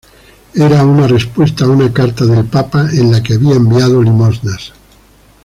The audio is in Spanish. Era una respuesta a una carta del papa, en la que había enviado limosnas.